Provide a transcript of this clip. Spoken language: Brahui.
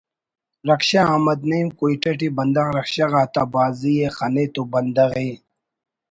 رکشہ احمد نعیم کوئٹہ ٹی بندغ رکشہ غا تا بھازی ءِ خنے تو بندغ ءِ